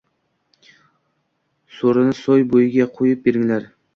– So’rini soy buyiga kuyib beringlar